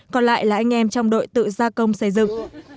còn lại là anh em trong đội tự gia công xây dựng